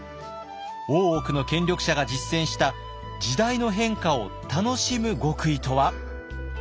大奥の権力者が実践した時代の変化を楽しむ極意とは？